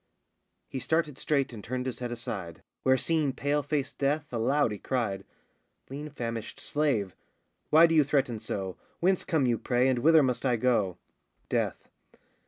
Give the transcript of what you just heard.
[He started straight and turned his head aside, Where seeing pale faced Death, aloud he cried], Lean famished slave! why do you threaten so, Whence come you, pray, and whither must I go? DEATH.